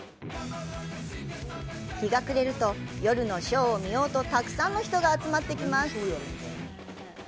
日が暮れると、夜のショーを見ようと、たくさんの人が集まってきます。